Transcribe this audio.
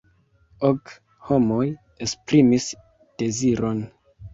Ok homoj esprimis deziron.